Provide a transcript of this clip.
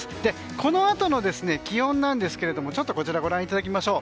このあとの気温なんですがこちらをご覧いただきましょう。